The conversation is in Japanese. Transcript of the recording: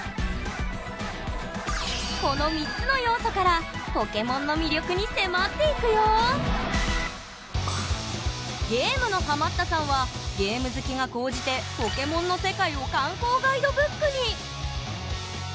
この３つの要素からゲームのハマったさんはゲーム好きが高じてポケモンの世界を観光ガイドブックに！